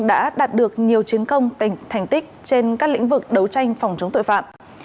đã đạt được nhiều chiến công thành tích trên các lĩnh vực đấu tranh phòng chống tội phạm